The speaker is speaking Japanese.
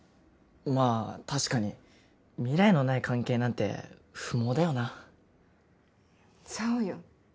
まあ確かに未来のない関係なんて不毛だよなそうよ